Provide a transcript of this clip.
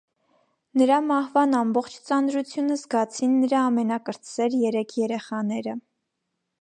Նրա մահվան ամբողջ ծանրությունը զգացին նրա ամենակրտսեր երեք երեխաները։